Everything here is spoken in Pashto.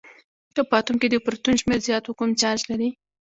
که په اتوم کې د پروتون شمیر زیات وي کوم چارج لري؟